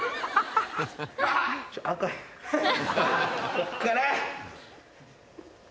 こっから。